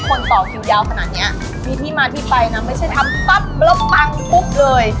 ต่อคิวยาวขนาดเนี้ยมีที่มาที่ไปนะไม่ใช่ทำปั๊บแล้วปังปุ๊บเลย